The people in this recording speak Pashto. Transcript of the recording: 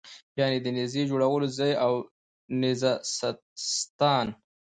یعنې د نېزې جوړولو ځای او نېزه ستان.